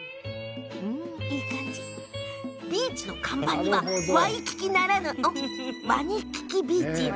ビーチの看板にはワイキキならぬワニキキビーチ。